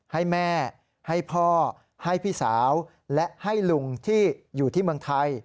ให้แม่ให้พ่อให้พี่สาวและให้ลุงที่อยู่ที่เมืองไทย